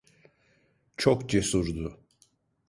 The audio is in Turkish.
Çok cesurdu.